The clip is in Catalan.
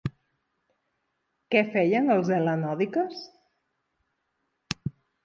Què feien els Hel·lanòdiques?